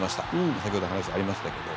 先ほど話ありましたけど。